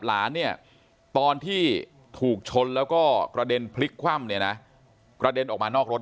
หลานตอนที่ถูกชนแล้วกระเด็นพลิกคว่ำกระเด็นออกมานอกรถ